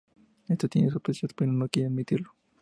Esta tiene sospechas pero no quiere admitirlo.